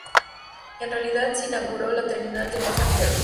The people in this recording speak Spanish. En realidad se inauguró la terminal de pasajeros.